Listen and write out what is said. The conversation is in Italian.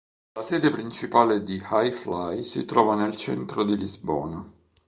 La sede principale di Hi Fly si trova nel centro di Lisbona.